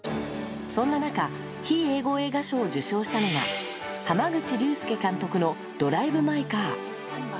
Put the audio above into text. そんな中非英語映画賞を受賞したのは濱口竜介監督の「ドライブ・マイ・カー」